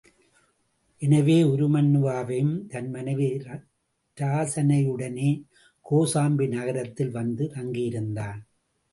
எனவே உருமண்ணுவாவும் தன் மனைவி இராசனையுடனே கோசாம்பி நகரத்தில் வந்து தங்கியிருந்தான்.